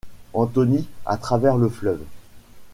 Anthony à travers le fleuve.